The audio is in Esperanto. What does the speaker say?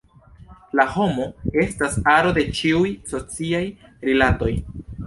La homo estas aro de ĉiuj sociaj rilatoj.